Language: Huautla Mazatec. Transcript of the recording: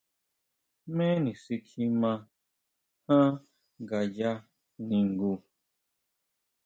¿Jméni xi kjima jan ngaya ningu?